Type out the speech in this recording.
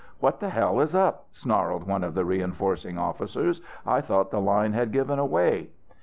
"What the hell is up?" snarled one of the reinforcing officers. "I thought the line had given way."